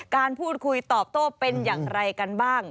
การพูดคุยตอบโต้เป็นอย่างไรกันบ้าง